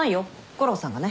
悟郎さんがね。